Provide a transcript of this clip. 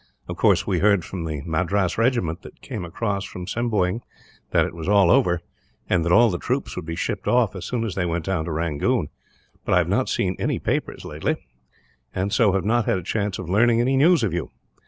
Of course we heard, from the Madras regiment that came across from Sembeughewn, that it was all over; and that all the troops would be shipped off, as soon as they went down to Rangoon; but I have not seen any papers lately, and so have not had a chance of learning any news of you.